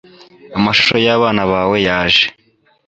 amashusho y'abana bawe yaje